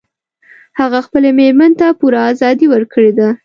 هغه خپلې میرمن ته پوره ازادي ورکړي ده